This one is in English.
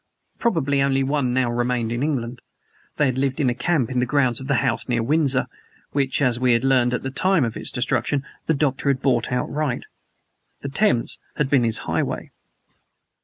Probably only one now remained in England. They had lived in a camp in the grounds of the house near Windsor (which, as we had learned at the time of its destruction, the Doctor had bought outright). The Thames had been his highway.